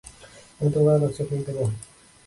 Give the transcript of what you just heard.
আমি তোমাকে অনেক চকলেট দেবো।